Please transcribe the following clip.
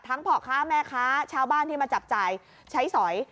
พ่อค้าแม่ค้าชาวบ้านที่มาจับจ่ายใช้สอย